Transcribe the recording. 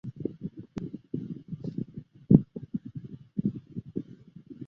疏齿巴豆为大戟科巴豆属下的一个种。